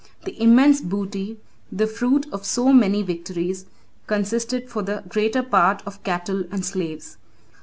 The immense booty, the fruit of so many victories, consisted for the greater part of cattle and slaves.